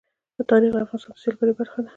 تاریخ د افغانستان د سیلګرۍ برخه ده.